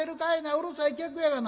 うるさい客やがな。